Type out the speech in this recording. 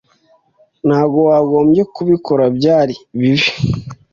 Ntabwo wagombye kubikora. Byari bibi.